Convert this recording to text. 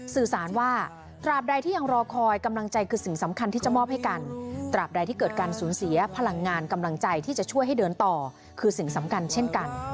สื่อสารว่าตราบใดที่ยังรอคอยกำลังใจคือสิ่งสำคัญที่จะมอบให้กันตราบใดที่เกิดการสูญเสียพลังงานกำลังใจที่จะช่วยให้เดินต่อคือสิ่งสำคัญเช่นกัน